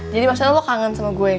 jadi maksudnya lo kangen sama gue